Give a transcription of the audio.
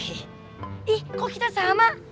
ih kok kita sama